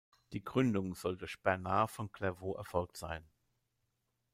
Die Gründung soll durch Bernhard von Clairvaux erfolgt sein.